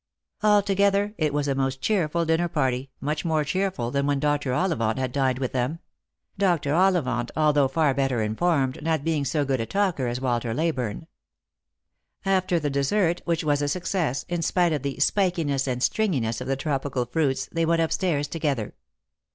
Altogether it was a most cheerful dinner party, much more cheerful than when Dr. Olli vant had dined with them; Dr. Ollivant, although far better informed, not being so good a talker as Walter Leyburne. After the dessert, which was a success, in spite of the spiki ness and stringiness of the tropical fruits, they went up stairs together.